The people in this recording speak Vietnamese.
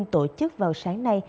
tổ chức vào sáng nay